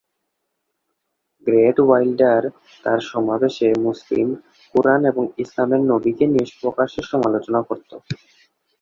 Great Wilders তার সমাবেশে মুসলিম, কুরআন এবং ইসলামের নবীকে নিয়ে প্রকাশ্যে সমালোচনা করতো।